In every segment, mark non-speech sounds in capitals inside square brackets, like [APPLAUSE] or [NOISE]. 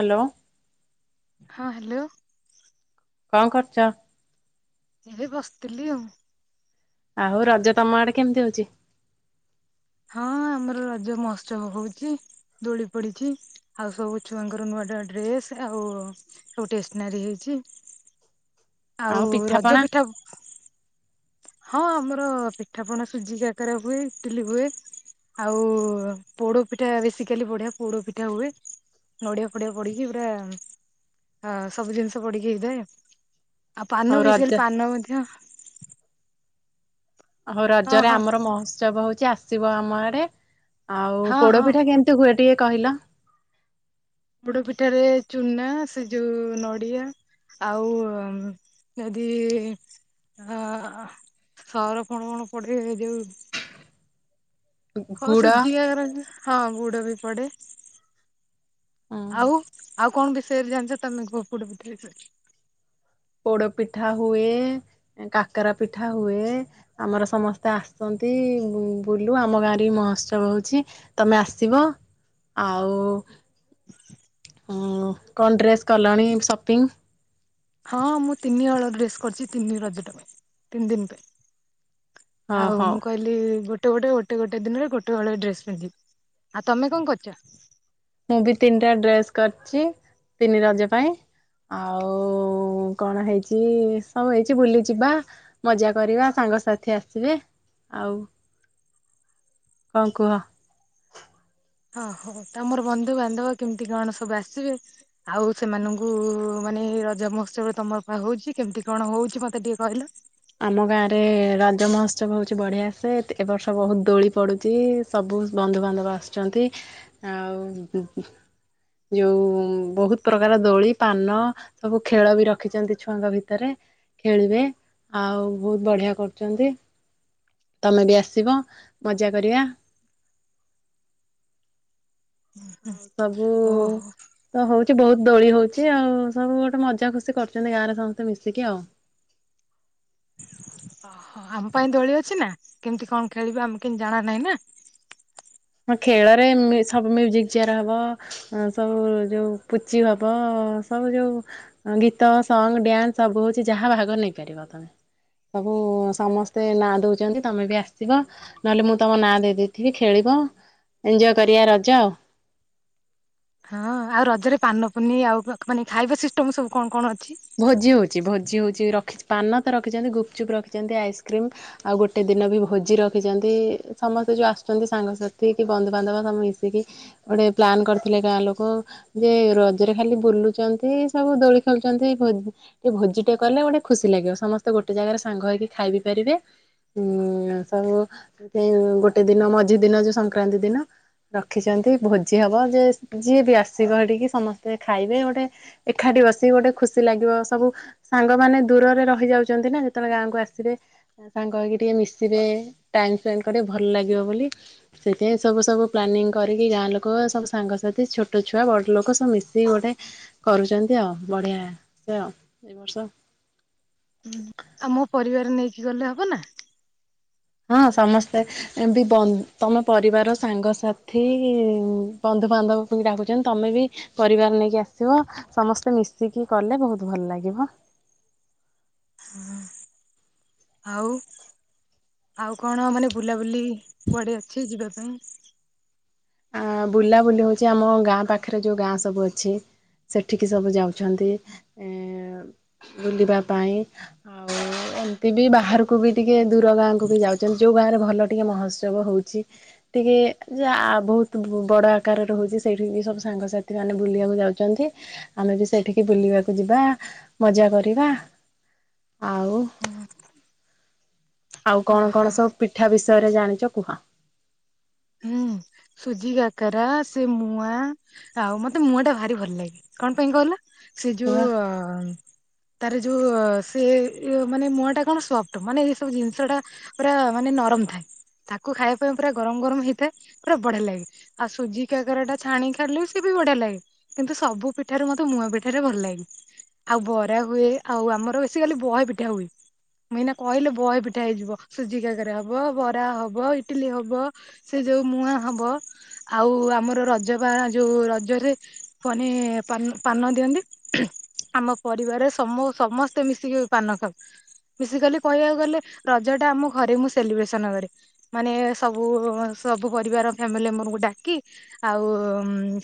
Hello. ହଁ hello. କଣ କରୁଚ? ଏ ବସିଥିଲି ଆଉ। ଆଉ ରଜ ତମ ଆଡେ କେମତି ହୋଉଛି? ହଁ ଆମର ରଜ ମହୋତ୍ସବ ହୋଉଛି। ଦୋଳି ପଡିଛି ଆଉ ସବୁ ଛୁଆଙ୍କର ନୂଆ ଡ୍ ନୂଆ ଡ୍ରେସ ଆଉ ଆଉ ଟେସ୍ନାରି ହେଇଛି। ଆଉ ରଜ ପିଠା ହଁ ଆମର ପିଠାପଣା ସୁଜି କାକରା ହୁଏ ଇଟିଲି ହୁଏ। ଆଉ ପୋଡ ପିଠା ବେଶୀକାଲି ବଢିଆ ପୋଡ ପିଠା ହୁଏ। ନଡିଆ ଫଡିଆ ପଡିକି ପୁରା ଆ ସବୁ ଜିନିଷ ପଡିକି ହେଇଥାଏ। ଆଉ ପାନ ବେସିକାଲି ପାନ ମଧ୍ୟ ହଉ ହଁ ରଜରେ ହଁ ଆମର ମହୋତ୍ସବ ହୋଉଛି ଆସିବ ଆମ ଆଡେ ଆଉ ହଁ ହଁ ପୋଡପିଠା କେମତି ତୁ ହୁଏ ଟିକେ କହିଲ? ପୋଡ ପିଠାରେ ଚୁନା ସେ ଯୋଉ ନଡିଆ ଆଉ ଯଦି ହ ସ ର କଣ କଣ ପଡିବ ଯୋଉ ହଁ ଗୁଡ ସୁଜି କାକରା ହଁ ଗୁଡ ବି ପଡେ। ଆଉ ଆଉ କଣ ବିଷୟରେ ଜାଣିଛ ତମେ ପୋଡ଼ପିଠା ବିଷୟରେ? ପୋଡ ପିଠା ହୁଏ। କାକାରା ପିଠା ହୁଏ।। ଆମର ସମସ୍ତେ ଆସନ୍ତି ବୁଲୁ ଆମ ଗାଁରେ ବି ମହୋତ୍ସବ ହଉଛି। ତମେ ଆସିବ ଆଉ [UNINTELLIGIBLE] କଣ ଡ୍ରେସ୍ କଲଣି ସପିଙ୍ଗ୍? ହଁ ମୁଁ ତିନି ହଳ ଡ୍ରେସ୍ କରିଛି ତିନି ରଜଟା ତିନି ଦିନି ପାଇଁ। ହଁ ଆଉ ହଉ ମୁଁ କହି ଗୋଟେ ଗୋଟେ ଗୋଟେ ଗୋଟେ ଦିନରେ ଗୋଟେ ହଳ ଡ୍ରେସ୍ ପିନ୍ଧିବି ଆଉ ତମେ କଣ କରିଚ? ମୁଁ ବି ତିନିଟା ଡ୍ରେସ୍ କରିଚି ତିନି ରଜ ପାଇଁ। ଆଉ କଣ ହେଇଚି ହଉ ହେଇଛି ବୁଲି ଯିବା। ମଜା କରିବା ସାଙ୍ଗସାଥି ଆସିବେ ଆଉ କ କୁହ? ହଁ ହଉ ତମର ବନ୍ଧୁ ବାନ୍ଧବ କେମିତି କଣ ସବୁ ଆସିବେ ଆଉ ସେମାନଙ୍କୁ ମାନେ ରଜ ମହୋତ୍ସବରେ ତମର ପା ହଉଛି କେମିତି କଣ ହଉଛି ମତେ ଟିକେ କହିଲ? ଆମ ଗାଁ ରେ ରଜ ମହୋତ୍ସବ ହଉଛି ବଢିଆସେ ଏ ବର୍ଷ ବହୁତ ଦୋଳି ପଡୁଚି। ସବୁ ବନ୍ଧୁବାନ୍ଧବ ଆସୁଛନ୍ତି ଆଉ ଯୋଉ ବହୁତ ପ୍ରକାର ଦୋଳି ପାନ ସବୁ ଖେଳ ବି ରଖିଛନ୍ତି ଛୁଆଙ୍କ ଭିତରେ ଖେଳିବେ ଆଉ ବହୁତ ବଢିଆ କରୁଚନ୍ତି ତମେ ବି ଆସିବ ମଜା କରିବା। [INAUDIBLE] ଆଉ ସବୁ ଓହୋ ତ ହଉଚି ବହୁତ୍ ଦୋଳି ହଉଛି ଆଉ ସବୁ ଗୋଟେ ମଜା ଖୁସି କରୁଚନ୍ତି ଗାଁରେ ସମସ୍ତେ ମିଶିକି ଆଉ। ଓହୋ ଆମ ପାଇଁ ଦୋଳି ଅଛି ନା କେମିତି କଣ ଖେଳିବୁ ଆମ୍ କେନ ଜଣା ନାହିଁ ନା। ହଁ ଖେଳରେ ମି ସବୁ ମ୍ୟୁଜିକ୍ ଚେୟାର ହବ। ହଁ ସବୁ ଯୋଉ ପୁଚି ହବ ସବୁ ଯୋଉ ଅଁ ଗୀତ ସଙ୍ଗ୍ ଡ୍ୟାନ୍ସ ସବୁ ହଉଛି ଯାହା ଭାଗ ନେଇପାରିବ ତମେ। ସବୁ ସମସ୍ତେ ନାଁ ଦଉଚନ୍ତି ତମେ ବି ଆସିବ। ନହେଲେ ମୁଁ ତମ ନାଁ ଦେଇଦେଇଥିବି ଖେଳିବ। ଇଞ୍ଜୟ କରିବା ରଜ। ହଁ ଆଉ ରଜରେ ପାନ ପୁନି ଆଉ ମାନେ ଖାଇବା ସିଷ୍ଟମ ସବୁ କଣ କଣ ଅଛି? ଭୋଜି ହଉଛି ଭୋଜି ହଉଛି ରଖି ପାନ ତ ରଖିଛନ୍ତି ଗୁପଚୁପ୍ ରଖିଛନ୍ତି ଆଇସ୍କ୍ରିମ। ଆଉ ଗୋଟେ ଦିନ ବି ଭୋଜି ରଖିଚନ୍ତି ସମସ୍ତେ ଯୋଉ ଆସୁଚନ୍ତି ସାଙ୍ଗସାଥି କି ବନ୍ଧୁବାନ୍ଧବ ସବୁ ମିଶିକି ଗୋଟେ ପ୍ଲାନ କରିଥିଲେ ଗାଁ ଲୋକ ଯେ ରଜରେ ଖାଲି ବୁଲୁଚନ୍ତି ସବୁ ଦୋଳି ଖେଳୁଛନ୍ତି ଭୋ ଗୋଟେ ଭୋଜି ଟେ କଲେ ଗୋଟେ ଖୁସି ଲାଗିବ ସମସ୍ତେ ଗୋଟେ ଜାଗାରେ ସାଙ୍ଗ ହେଇକି ଖାଇ ବିି ପାରିବେ ହୁଁ ସବୁ ଏ ଗୋଟେ ଦିନ ମଝି ଦିନ ଯୋଉ ସଂକ୍ରାନ୍ତି ଦିନ ରଖିଚନ୍ତି ଭୋଜି ହବ ଯେ ଯିଏ ବି ଆସିବ ହେଟିକି ସମସ୍ତେ ଖାଇବେ ଗୋଟେ ଏଖାଟି ବସି ଗୋଟେ ଖୁସି ଖୁସି ଲାଗିବ ସବୁ ସାଙ୍ଗ ମାନେ ଦୂରରେ ରହିଯାଉଚନ୍ତି ନା ଯେତେବେଳେ ଗାଁକୁ ଆସିବେ- ସାଙ୍ଗ ହେଇକି ଟିକେ ମିଶିବେ ଟାଇମ୍ ସ୍ପେଣ୍ଡ କରିବେ ଭଲ ଲାଗିବ ବୋଲି। ସେଥି ଆଇଁ ସବୁ ସବୁ ପ୍ଲାନିଙ୍ଗ କରିକି ଗାଁ ଲୋକ ସବୁ ସାଙ୍ଗସାଥି ଛୋଟ ଛୁଆ ବଡ଼ ଲୋକ ସବୁ ମିଶିକି ଗୋଟେ କରୁଚନ୍ତି ଆଉ ବଢିଆ ସେ ଏ ବର୍ଷ। ହୁଁ ଆମ ପରିବାର ନେଇକି ଗଲେ ହବ ନା? ହଁ ସମସ୍ତେ ବି ବ ତମ ପରିବାର ସାଙ୍ଗସାଥି ବନ୍ଧୁବାନ୍ଧବକୁ ବି ଡାକୁଚନ୍ତି ତମେ ବି ପରିବାର ନେଇକି ଆସିବ। ସମସ୍ତେ ମିଶିକି କଲେ ବହୁତ ଭଲ ଲାଗିବ। ଆଉ ଆଉ କଣ ମାନେ ବୁଲାବୁଲି କୁଆଡେ ଅଛି ଯିବା ପାଇଁ? ଆ ବୁଲା ବୁଲି ହଉଛି ଆମ ଗାଁ ପାଖରେ ଯୋଉ ଗାଁ ସବୁ ଅଛି। ସେଠିକି ସବୁ ଯାଉଛନ୍ତି ଏ ବୁଲିବା ପାଇଁ ଆଉ ଏମତି ବି ବାହାରୁକୁ ବି ଟିକେ ଦୂର ଗାଁକୁ ବି ଯାଉଛନ୍ତି ଯୋଉଁ ଗାଁରେ ଭଲ ଟିକେ ମହୋତ୍ସବ ହଉଛି। ଟିକେ ଯାଆ ବହୁତ ବଡ଼ ଆକାରରେ ହୋଉଛି ସେଇଠି ବି ସବୁ ସାଙ୍ଗସାଥିମାନେ ବୁଲିଆକୁ ଯାଉଚନ୍ତି। ଆମେ ବି ସେଇଠିକି ବୁଲିବାକୁ ଯିବା ମଜା କରିବା ଆଉ ଆଉ କଣ ଓହୋ କଣ ସବୁ ପିଠା ବିଷୟରେ ଜାଣିଚ କୁହ? ହୁଁ। ସୁଜି କାକାରା ସେ ମୁଆଁ ଆଉ ମତେ ମୁଆଁଟା ଭାରି ଭଲ ଲାଗେ କଣ ପାଇଁ କହିଲ? ସେ କୁହ? ଯୋଉ ଆଁ ତାର ଯୋଉ ସେଏ ମାନେ ମୁଆଁଟା କଣ ସଫ୍ଟ ମାନେ ଏଇ ସବୁ ଜିନିଷଟା ପୁରା ମାନେ ନରମ ଥାଏ, ତାକୁ ଖାଇବା ପାଇଁ ପୁରା ଗରମ ଗରମ ହେଇଥାଏ। ପୁରା ବଢିଆ ଲାଗେ, ଆଉ ସୁଜି କାକାରାଟା ଛାଣି ଖାଇଲେ ସେ ବି ବଢିଆ ଲାଗେ। କିନ୍ତୁ ସବୁ ପିଠାରୁ ମତେ ମୁଆଁ ପିଠାରେ ଭଲ ଲାଗେ। ଆଉ ବରା ହୁଏ, ଆଉ ଆମର ବେସିକାଲି ବହେ ପିଠା ହୁଏ। ମୁଁ ଏଇନା କହିଲେ ବହେ ପିଠା ହେଇଯିବ ସୁଜି କାକାରା ହବ, ବରା ହବ, ଇଟିଲି ହବ ସେ ଯୋଉ ମୁଆଁ ହବ ଆଉ ଆମର ରଜ ବା ଯୋଉ ରଜରେ ପନି ପାନ ପାନ ଦିଅନ୍ତି। ଆମ ପରିବାରରେ ସମୋ ସମସ୍ତେ ମିଶିକି ପାନ ଖାଉ। ବେସିକାଲି କହିବାକୁ ଗଲେ ରଜଟା ଆମ ଘରେ ମୁଁ ସେଲିବ୍ରେସନ କରେ। ମାନେ ସବୁ ସବୁ ପରିବାର ଫ୍ୟାମିଲି ମେମ୍ବରଙ୍କୁ ଡାକି ଆଉ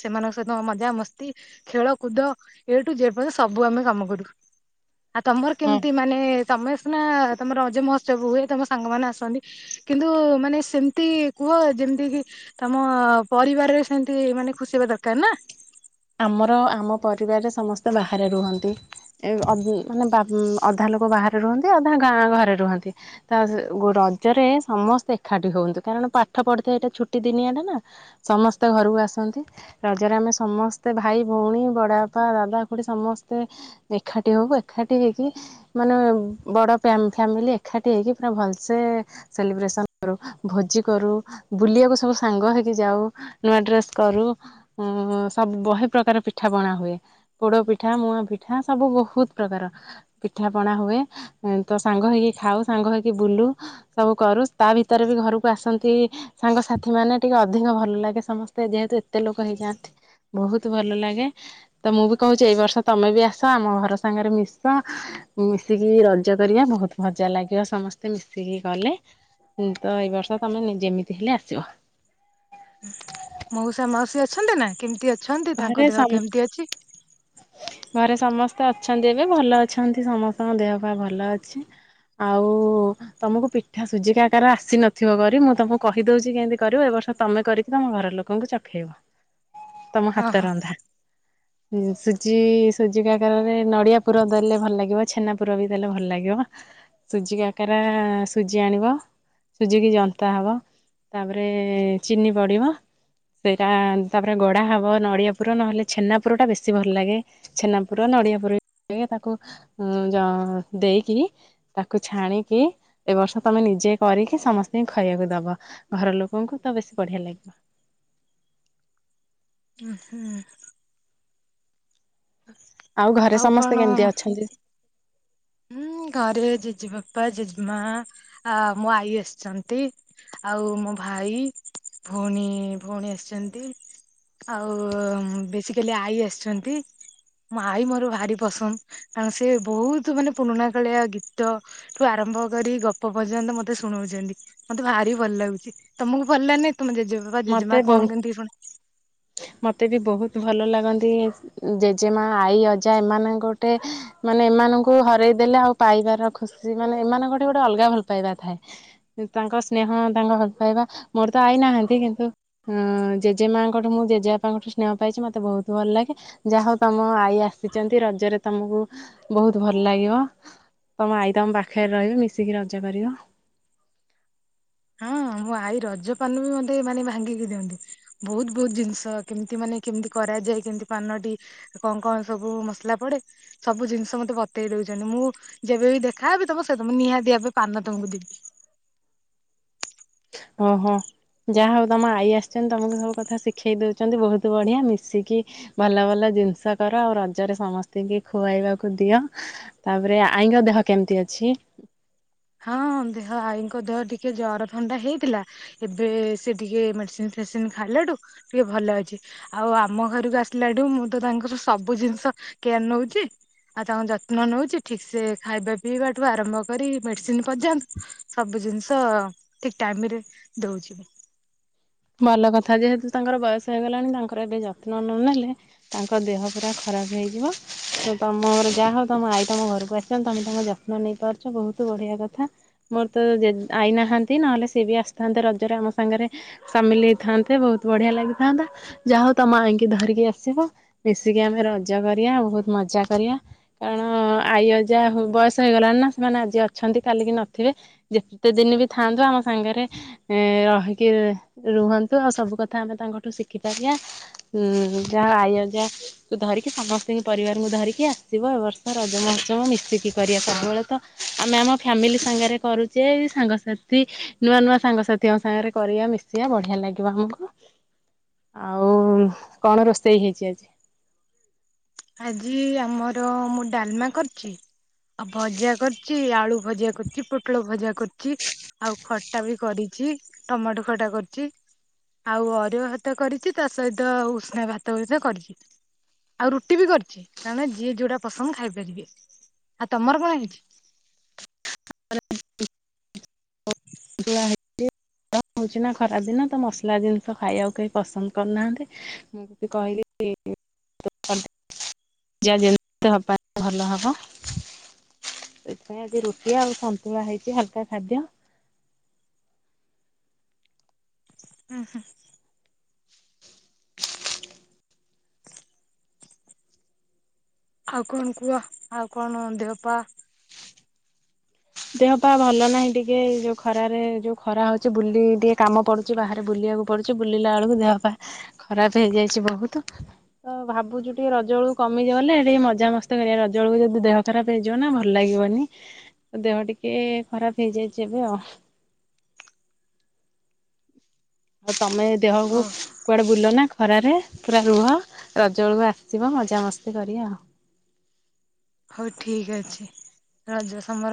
ସେମାନଙ୍କ ସହିତ ମଜା ମସ୍ତି ଖେଳକୁୁଦ ଏଇଠୁ ଯେପର୍ଯ୍ୟ ସବୁ ଆମେ କାମ କରୁ। ଆଉ ତମର ହଁ କେମିତି ମାନେ ତମେ ସିନା ତମର ରଜ ମହୋତ୍ସବ ହୁଏ ତମ ସାଙ୍ଗମାନେ ଆସନ୍ତି। କିନ୍ତୁ ମାନେ ସେମ୍ତି କୁହ ଯେମିତିକି ତମ ପରିବାରରେ ସେମତି ମାନେ ଖୁସି ହେବା ଦରକାର ନା ଆମର ଆମ ପରିବାରରେ ସମସ୍ତେ ବାହାରେ ରୁହନ୍ତି। [UNINTELLIGIBLE] ଅଧା ଲୋକ ବାହାରେ ରୁହନ୍ତି ଅଧା ଗାଁ ଘରେ ରୁହନ୍ତି। [UNINTELLIGIBLE] ରଜରେ ସମସ୍ତେ ଏକାଠି ହୁଅନ୍ତି କାରଣ ପାଠ ପଢୁଥାଏ ଏଇଟା ଛୁଟି ଦିନିଆଟା ନା। ସମସ୍ତେ ଘରକୁ ଆସନ୍ତି ରଜରେ ଆମେ ସମସ୍ ଭାଇ ଭଉଣୀ ବଡ ବାପା ଦାଦା ଖୁଡ଼ି ସମସ୍ତେ ଏଖାଟି ହୋଉ ଏଖାଟି ହେଇକି ମାନେ ବଡ଼ ପ୍ୟାମ୍ ଫ୍ୟାମିଲି ଏଖାଟି ହେଇକି ପୁରା ଭଲସେ ସେଲିବ୍ରେସନ କରୁ, ଭୋଜି କରୁ ବୁଲିବାକୁ ସବୁ ସାଙ୍ଗ ହେଇକି ଯାଉ। ନୂଆ ଡ୍ରେସ୍ କରୁ ଉଁ ସବ୍ ବହେ ପ୍ରକାର ପିଠା ପଣା ହୁଏ ପୋଡ ପିଠା ମୁଆଁ ପିଠା ସବୁ ବୋହୁତ ପ୍ରକାର। ପିଠାପଣା ହୁଏ, ଏ ତ ସାଙ୍ଗ ହେଇକି ଖାଉ ସାଙ୍ଗ ହେଇକି ବୁଲୁ। ସବୁ କରୁ ତା ଭିତରେ ବି ଘରକୁ ଆସନ୍ତି। ସାଙ୍ଗ ସାଥି ମାନେ ଟିକେ ଅଧିକ ଭଲ ଲାଗେ ସମସ୍ତେ ଯେହେତୁ ଏତେ ଲୋକ ହେଇଯାଆନ୍ତି। ବହୁତ ଭଲ ଲାଗେ ତ ମୁଁ ବି କହୁଛି ଏଇ ବର୍ଷ ତମେ ବି ଆସ ଆମ ଘର ସାଙ୍ଗରେ ମିଶ ମିଶିକି ରଜ କରିବା ବହୁତ ମଜା ଲାଗିବ ସମସ୍ତେ ମିଶିକି କଲେ। ତ ଏଇ ବର୍ଷ ତମେ ନି ଯେମିତି ହେଲେ ଆସିବ। ମଉସା ମାଉସୀ ଅଛନ୍ତି ନା କେମତି ଅ ଘରେ ସମ୍ ଘରେ ସମସ୍ତେ ଅଛନ୍ତି ଏବେ ଭଲ ଅଛନ୍ତି ସମସ୍ତଙ୍କ ଦେହ ପା ଭଲ ଅଛି। ଆଉ ତମକୁ ପିଠା ସୁଝି କାକାରା ଆସି ନଥିବ କରି ମୁଁ ତମକୁ କହିଦଉଛି କେମିତି କରିବ, ଏ ବର୍ଷ ତମେ କରିକି ତମ ଘର ଲୋକ କଙ୍କୁ ଚଖେଇବ ତମ ହଁ ହଁ ହାତରନ୍ଧା। ସୁଜି ସୁଜି କାକାରାରେ ନଡ଼ିଆ ପୁର ଦେଲେ ଭଲ ଲାଗିବ, ଛେନା ପୁର ବି ଦେଲେ ଭଲ ଲାଗିବ। ସୁଜି କାକାରା ସୁଜି ଆଣିବ। ସୁଜିକି ଜନ୍ତା ହବ, ତାପରେ ଚିନି ପଡ଼ିବ। ସେଇଟା ତାପରେ ଗଡା ହବ ନଡ଼ିଆ ପୁର ନହେଲେ ଛେନା ପୁର ଟା ବେଶୀ ଭଲ ଲାଗେ ଛେନା ପୁର ନଡ଼ିଆ ପୁର [UNINTELLIGIBLE] ତାକୁ ଉଁ ଯ ଦେଇକି ତାକୁ ଛାଣିକି ଏ ବର୍ଷ ତମେ ନିଜେ କରିକି ସମସ୍ତିଙ୍କି ଖାଇବାକୁ ଦବ, ଘର ଲୋକଙ୍କୁ ତ ବେଶୀ ବଢିଆ ଲାଗିବ। [INAUDIBLE] ଆଉ ଘରେ ସମସ୍ତେ କେମିତି ଅଛନ୍ତି? ହୁଁ ଘରେ ଜେଜେ ବାପା ଜେଜେ ମା ଆ ମୋ ଆଈ ଆସିଛନ୍ତି। ଆଉ ମୋ ଭାଇ ଭଉଣୀ ଭଉଣୀ ଆସିଛନ୍ତି ଆଉ ବେଶୀ କାଲି ଆଈ ଆସିଛନ୍ତି ମାାଇ ମୋର ଭାରି ପସନ୍ଦ କାରଣ ସେ ବହୁତ ମାନେ ପୁରୁଣା କାଳିଆ ଗୀତ ଠୁ ଆରମ୍ଭ କରି ଗପ ପର୍ଯ୍ୟନ୍ତ ମତେ ଶୁଣଉଛନ୍ତି ମତେ ଭାରି ଭଲ ଲାଗୁଛି ତମକୁ ଭଲ ଲାଗନାଇଁ ତମ ଜେଜେ ମତେ ବହୁତ ମତେ ବି ବହୁତ ଭଲ ଲାଗନ୍ତି ଜେଜେମା ଆଈ ଅଜା ଏମାନଙ୍କ ଗୋଟେ ମାନେ ଏମାନଙ୍କୁ ହରଇ ଦେେଲେ ଆଉ ପାଇବାର ଖୁସି ମାନେ ଏମାନଙ୍କଠି ଗୋଟେ ଅଲଗା ଭଲ ପାଇବା ଥାଏ ତାଙ୍କ ସ୍ନେହ ତାଙ୍କ ଭଲ ପାଇବା ମୋର ତ ଆଇ ନାହାନ୍ତି କିନ୍ତୁ ତ ଜେଜେ ମାଙ୍କଠୁ ମୁଁ ଜେଜେବାପାଙ୍କଠୁ ସ୍ନେହ ପାଇଛି ମୋତେ ବହୁତ ଭଲ ଲାଗେ ଯାହା ହଉ ତମ ଆଈ ଆସିଛନ୍ତି ରଜରେ ତମକୁ ବହୁତ ଭଲ ଲାଗିବ ତମ ଆାଇ ତମ ପାଖରେ ରହିବି ମିଶିକି ରଜା କରିବ ହଁ ମୋ ଆଈ ରଜପାନ ବି ମୋତେ ମାନେ ଭାଙ୍ଗିକି ଦିଅନ୍ତି ବହୁତ ବହୁତ ଜିନିଷ କେମିତି ମାନେ କେମିତି କରାଯାଏ କେମିତି ପାନଟି କଣ କଣ ସବୁ ମସଲା ପଡେ ସବୁ ଜିନିଷ ମତେ ବତେଇ ଦଉଛନ୍ତି ମୁଁ ଯେବେ ବିି ଦେଖାବି ତମ ସେ ତ ନିହାତି ପାନ ତମକୁ ଦିବି ହଁ ହଁ ଯାହା ହଉ ତମ ଆଈ ଆସିଛନ୍ତି ତମକୁ ସବୁ କଥା ଶିଖେଇ ଦଉଛନ୍ତି ବହୁତ ବଢିଆ ମିଶିକି ଭଲ ଭଲ ଜିନିଷ କର ଆଉ ରଜରେ ସମସ୍ତଙ୍କୁ ଖୁଆଇବାକୁ ଦିଅ ତାପରେ ଆଇଙ୍ଗ ଦେହ କେମିତି ଅଛି ହଁ ଦେହ ଆଈଙ୍କ ଦେହ ଟିକେ ଜର ଥଣ୍ଡା ହେଇଥିଲା ଏବେ ସେ ଟିକେ ମେଡିସିନ ଫେଡିସିନ ଖାଇଲାଡୁ ଟିକେ ଭଲ ଅଛି ଆଉ ଆମ ଘରକୁ ଆସିଲାଠୁ ମୁଁ ତ ତାଙ୍କର ସବୁ ଜିନିଷ କୋର ନଉଛି ଆଉ ତାଙ୍କ ଯତ୍ନ ନଉଛି ଠିକ ସେ ଖାଇବା ପିଇବାଠୁ ଆରମ୍ଭ କରି ମେଡିସିନ ପର୍ଯ୍ୟନ୍ତ ସବୁ ଜିନିଷ ଠିକ ଟାଇମ ରେ ଦଉଛି ଭଲ କଥା ଯେହେତୁ ତାଙ୍କର ବୟସ ହେଇଗଲାଣି ତାଙ୍କର ଏବେ ଯତ୍ନ ନ ନେଲେ ତାଙ୍କ ଦେହ ପୁରା ଖରାପ ହେଇଯିବ ତ ତମ ଘର ଯାହା ହଉ ତମ ଆଈ ତମ ଘରକୁ ଆସିଛ ତମେ ତାଙ୍କ ଯତ୍ନ ନେଇ ପାରୁଛ ବହୁତ ବଢିଆ କଥା ମୋର ତ ଆଇନାହାନ୍ତି ନହେଲେ ସିଏ ବି ଆସିଥାନ୍ତେ ରଜରେ ଆମ ସାଙ୍ଗରେ ସାମିଲ ହେଇଥାନ୍ତେ ବହୁତ ବଢ଼ିଆ ଲାଗିଥାନ୍ତା ଯା ହଉ ତମ ଆଇକି ଧରିକି ଆସିବ ମିଶିକି ଆମେ ରଜ କରିବା ବହୁତ ମଜା କରିବା କାରଣ ଆଈଅ ଯାହା ବୟସ ହେଇଗଲାଣି ନା ସେମାନେ ଆଜି ଅଛନ୍ତି କାଲିକି ନଥିବେ ଯେତେ ଦିନ ବି ଥାଆନ୍ତୁ ଆମ ସାଙ୍ଗରେ ରହିକି ରୁହନ୍ତୁ ଆଉ ସବୁ କଥା ଆମେ ତାଙ୍କଠୁ ଶିଖିଥାାର ଯିବା ଉ ଯାହା ଆଇ ଯା ଧରିକି ସମସ୍ତଙ୍କୁ ପରିବାରଙ୍କୁ ଧରିକି ଆସିବ ଏ ବର୍ଷ ରଜମହସମ ମିଶିକି କରିବା ସବୁବେଳେ ତ ଆମେ ଆମ ଫ୍ୟାମିଲି ସାଙ୍ଗରେ କରୁଛେ ସାଙ୍ଗସାଥି ନୂଆ ନୂଆ ସାଙ୍ଗସାଥିଙ୍କ ସାଙ୍ଗରେ କରିବା ମିଶ ସେିଆ ବଢିଆ ଲାଗିବ ଆମକୁ ଆଉ କଣ ରୋଷେଇ ହେଇଛି ଆଜି ଆଜି ଆମର ମୁଁ ଡାଲମା କରିଛି ଆଉ ଭଜା କରୁଛି ଆଳୁ ଭଜା କରୁଛି ପୋଟଳ ଭଜା କରୁଛି ଆଉ ଖଟା ବି କରିଚି, ଟମାଟୋ ଖଟା କରିଚି। ଆଉ ଅରୁଆ ଭାତ କରିଚି ତା ସହିତ ଉସୁନା ଭାତ ମଧ୍ୟ କରିଚି। ରୁଟି ବି କରିଚି କାରଣ ଯିଏ ଯୋଉଟା ପସନ୍ଦ ଖାଇପାରିବେ। ଆଉ ତମର କଣ ହେଇଚି? ହ [UNINTELLIGIBLE] [UNINTELLIGIBLE] ହଉଚି ନା ଖରାପ ଦିନ ତ ମସଲା ଜିନିଷ ଖାଇବାକୁ କେହି ପସନ୍ଦ କରୁନାହାନ୍ତି। ମୁଁ ବି କହିଲି [UNINTELLIGIBLE] [UNINTELLIGIBLE] ଦେହ ପାଇଁ ଭଲ ହବ। ସେଥିପାଇଁ ଆଜି ରୁଟି ଆଉ ସନ୍ତୁଳା ହେଇଚି ହଲକା ଖାଦ୍ୟ। ହୁଁ ହୁଁ। [INAUDIBLE] ଆଉ କଣ କୁଅ? ଆଉ କଣ ଦେହପା ଦେହ ପା ଭଲ ନାହିଁ ଟିକେ ଯୋଉ ଖରାରେ ଯୋଉ ଖରା ହଉଚି ବୁଲି ଟିକେ କାମ ପଡୁ ଚି ବାହାରେ ବୁଲିବାକୁ ପଡ଼ୁଚି ବୁଲିଲା ବେଳକୁ ଦେହ ପା ଖରାପ ହେଇଯାଇଚି ବୋହୁତ। ତ ଭାବୁଚୁ ଟିକେ ରଜ ବେଳକୁ କମି ଗଲେ ଟିକେ ମଜା ମସ୍ତ କରିବା। ରଜଉଳକୁ ଯଦି ଦେହ ଖରାପ ହେଇଯିବ ନା ଭଲ ଲାଗିବନି। ତ ଦେହ ଟିକେ ଖରାପ ହେଇଯାଇଚି ଏବେ ଆଉ ଆଉ ତମେ ଓ ଦେହକୁ କୁଆଡ଼େ ବୁଲ ନା ଖରାରେ ପୁରା ରୁହ ରଜ ବେଳୁ ଆସିବ ମଜାମସ୍ତି କରିଆ ଆଉ ହଉ ଠିକ ଅଛି ରଜ ସମର